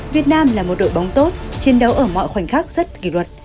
việt nam là một đội bóng tốt chiến đấu ở mọi khoảnh khắc rất kỳ luật